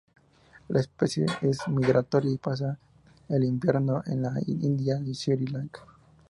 La especie es migratoria y pasa el invierno en la India y Sri Lanka.